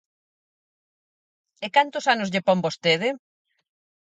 E ¿cantos anos lle pon vostede?